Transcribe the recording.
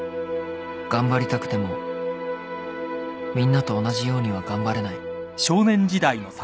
［頑張りたくてもみんなと同じようには頑張れない］